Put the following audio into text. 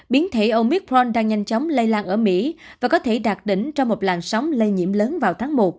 biến thể omicron đang nhanh chóng lây lan ở mỹ và có thể đạt đỉnh cho một làn sóng lây nhiễm lớn vào tháng một